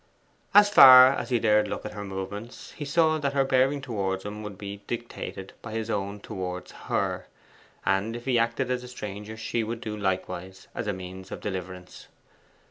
As far as he dared look at her movements he saw that her bearing towards him would be dictated by his own towards her; and if he acted as a stranger she would do likewise as a means of deliverance.